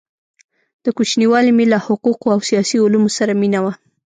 د كوچنیوالي مي له حقو قو او سیاسي علومو سره مینه وه؛